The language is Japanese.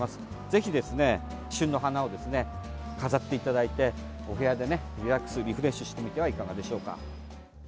ぜひですね、旬の花をですね飾っていただいて、お部屋でねリラックス、リフレッシュしてみてはいががでしょうか。